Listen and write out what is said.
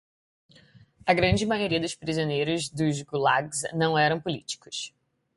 A grande maioria dos prisioneiros dos gulags não eram políticos